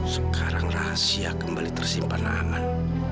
sekarang rahasia kembali tersimpan aman